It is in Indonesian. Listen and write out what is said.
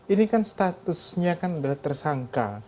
ini kan statusnya kan adalah tersangka